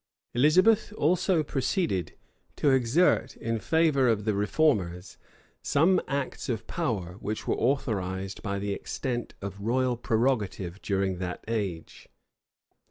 Elizabeth also proceeded to exert in favor of the reformers some acts of power which were authorized by the extent of royal prerogative during that age.